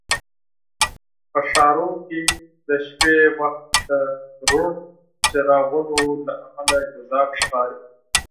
په ښارونو کې د شپې وخت د روڼ څراغونو له امله جذاب ښکاري.